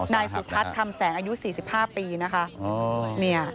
นายสุทัศน์คำแสงอายุ๔๕ปีนะคะ